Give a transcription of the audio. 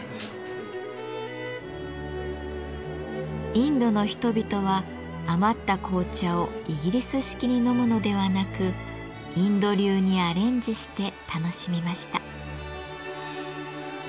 インドの人々は余った紅茶をイギリス式に飲むのではなくインド流にアレンジして楽しみました。